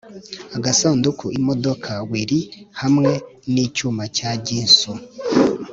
agasanduku imodoka willie hamwe nicyuma cya ginsu,